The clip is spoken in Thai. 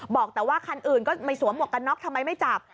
บอกแต่ว่าคันอื่นก็ไม่สวมหวกกันน็อกทำไมไม่จับ